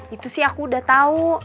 itu sih aku udah tau